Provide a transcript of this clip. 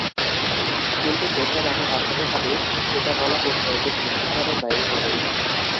কিন্তু কোথায় কাকে পাঠাতে হবে, সেটা বলা কূটনৈতিক শিষ্টাচারের বাইরে পড়ে।